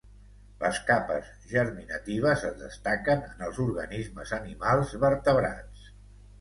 Les capes germinatives es destaquen en els organismes animals vertebrats.